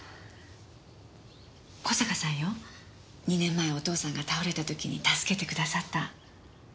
小坂さんよ。２年前お父さんが倒れた時に助けてくださった。